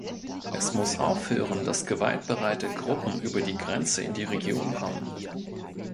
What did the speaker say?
Es muss aufhören, dass gewaltbereite Gruppen über die Grenze in die Region kommen.